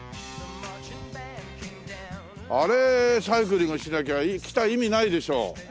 あれサイクリングしなきゃ来た意味ないでしょ。